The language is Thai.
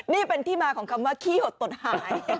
นี่เป็นที่มาของคำว่าขี้หดตดหาย